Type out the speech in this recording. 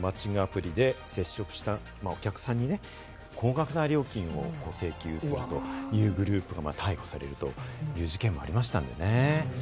昨日も東京でマッチングアプリで接触したお客さんにね、高額な料金を請求するというグループが逮捕されるという事件もありましたのでね。